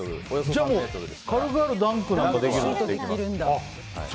じゃあ、軽々ダンクなんかできるんだ。